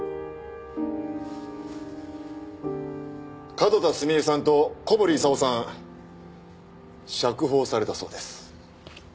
角田澄江さんと小堀功さん釈放されたそうです。